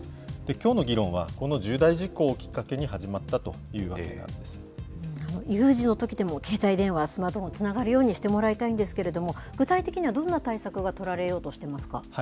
きょうの議論は、この重大事故をきっかけに始まったというわけな有事のときでも、携帯電話、スマートフォンつながるようにしてもらいたいんですけれども、具体的にはどんな対策が取られようとしていますか。